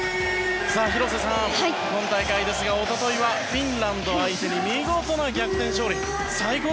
広瀬さん、今大会ですが一昨日はフィンランド相手に見事な逆転勝利。